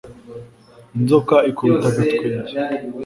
Inzoka ikubita agatwenge